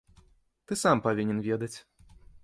Ты сам павінен ведаць.